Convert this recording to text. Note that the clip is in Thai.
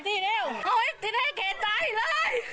เจอเด็กแล้วอ่ะครับอ่ะ